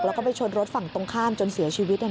แล้วก็ไปชนรถฝั่งตรงข้ามจนเสียชีวิต